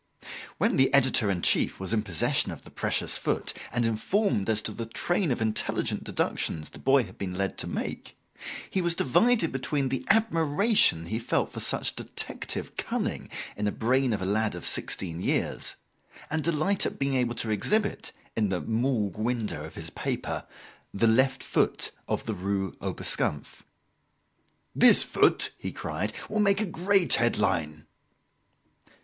When the editor in chief was in possession of the precious foot and informed as to the train of intelligent deductions the boy had been led to make, he was divided between the admiration he felt for such detective cunning in a brain of a lad of sixteen years, and delight at being able to exhibit, in the "morgue window" of his paper, the left foot of the Rue Oberskampf. "This foot," he cried, "will make a great headline."